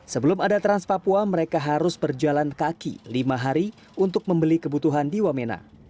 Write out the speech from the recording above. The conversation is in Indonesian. sebelum ada trans papua mereka harus berjalan kaki lima hari untuk membeli kebutuhan di wamena